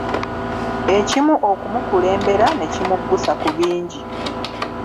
Ekimu okumukulembera ne kimuggusa ku bingi.